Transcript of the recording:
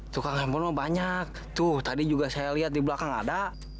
tukang sambo banyak tuh tadi juga saya lihat di belakang ada